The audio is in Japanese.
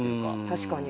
確かに。